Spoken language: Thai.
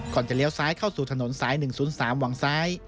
จะเลี้ยวซ้ายเข้าสู่ถนนสาย๑๐๓หวังซ้าย